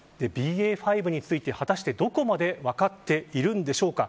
ＢＡ．５について、果たしてどこまで分かっているんでしょうか。